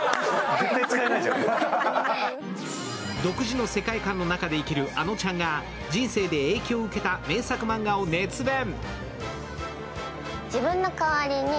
独自の世界観の中で生きるあのちゃんが人生で影響を受けた名作マンガを熱弁。